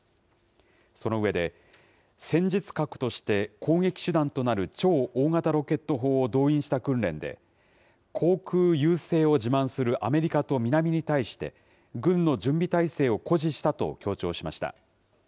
その上で、戦術核として攻撃手段となる超大型ロケット砲を動員した訓練で、航空優勢を自慢するアメリカと南に対して、軍の準備態勢を誇示したと強調しました。